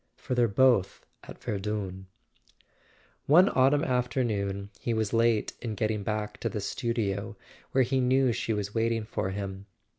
For they're both at Verdun." One autumn afternoon he was late in getting back to the studio, where he knew she was waiting for him.